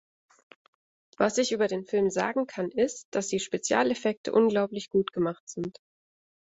Was ich über den Film sagen kann, ist, dass die Spezialeffekte unglaublich gut gemacht sind.